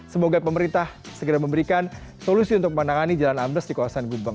semoga pemerintah segera memberikan solusi untuk menangani jalan ambles di kawasan gubeng